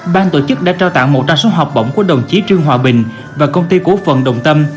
ban tổ chức đã trao tặng một trăm linh số học bổng của đồng chí trương hòa bình và công ty cổ phần đồng tâm